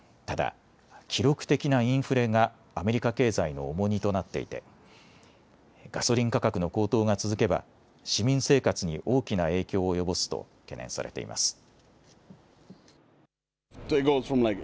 ただ、記録的なインフレがアメリカ経済の重荷となっていてガソリン価格の高騰が続けば市民生活に大きな影響を及ぼすと懸念されています。